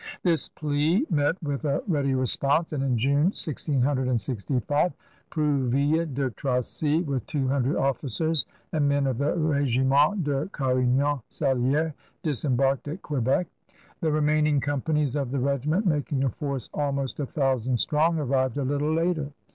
This plea met with a ready response, and in June, 1665, Prouville de Tracy with two hundred officers and men of the Regiment de Carignan SaU^res dis embarked at Quebec. The remaining companies of the regiment, making a force almost a thousand oetron strong, arrived a little later.